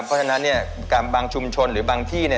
เพราะฉะนั้นบางชุมชนหรือบางที่